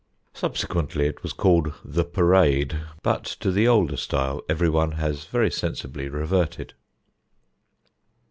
Subsequently it was called the Parade, but to the older style everyone has very sensibly reverted.